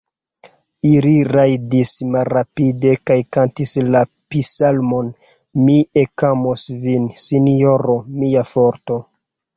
Ili rajdis malrapide kaj kantis la psalmon: "Mi ekamos Vin, Sinjoro, mia Forto!"